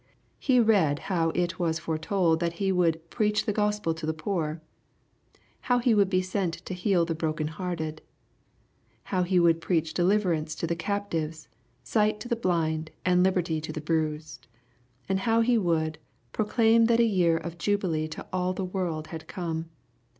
He read how it was fDretold that He would ^^ preach the Gospel to the poor,'' — ^how He would be sent to " heal the broken hearted," — ^how He would " preach deliver ance to the captives, sight to the blind, and liberty to the bruised," — and how He would " proclaim that a year of jubilee to all the world had come."